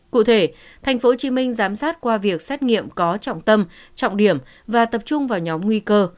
cụ thể tp hcm giám sát qua việc xét nghiệm có trọng tâm trọng điểm và tập trung vào nhóm nguy cơ